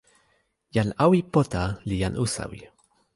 jan Awi Pota li jan usawi.